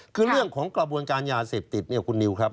คือเรื่องของกระบวนการยาเสพติดเนี่ยคุณนิวครับ